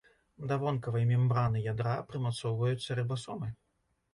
Да вонкавай мембраны ядра прымацоўваюцца рыбасомы.